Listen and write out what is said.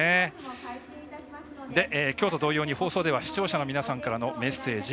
きょうと同様に放送では視聴者の皆さんからのメッセージ。